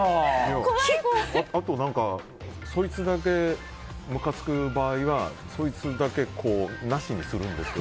あとはそいつだけむかつく場合はそいつだけ、なしにするんです。